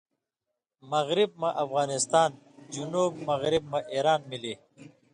مغرب مہ افغانستان ، جنوب مغرب مہ ایران ملی